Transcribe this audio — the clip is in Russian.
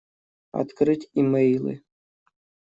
Открыть имейлы.